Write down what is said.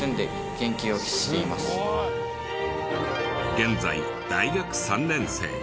現在大学３年生。